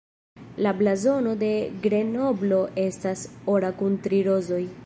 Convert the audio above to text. La blazono de Grenoblo estas ora kun tri rozoj.